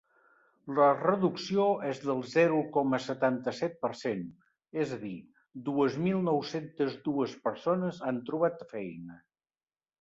La reducció és del zero coma setanta-set per cent, és a dir, dues mil nou-centes dues persones han trobat feina.